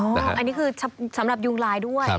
อันนี้คือสำหรับยุงลายด้วย